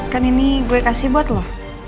kan ini gue kasih buat loh